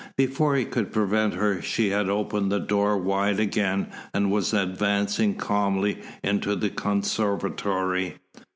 Before he could prevent her she had opened the door wide again and was advancing calmly into the conservatory.